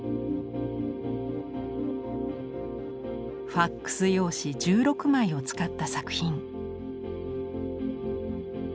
ファックス用紙１６枚を使った作品。